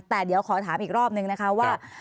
แต่เดี๋ยวขอถามอีกรอบนึงนะคะว่า